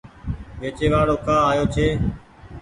ويچي وآڙو ڪآ آيو ڇي ۔